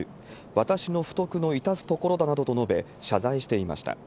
私の不徳の致すところだなどと述べ、謝罪していました。